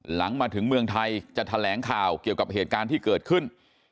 หลังมาถึงเมืองไทยจะแถลงข่าวเกี่ยวกับเหตุการณ์ที่เกิดขึ้น